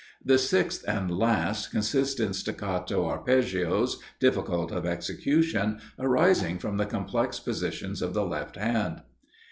The sixth and last consists in staccato arpeggios, difficult of execution, arising from the complex positions of the left hand.